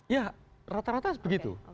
ya rata rata begitu